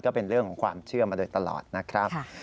ก็เป็นเรื่องของความเชื่อมาโดยตลอดนะครับ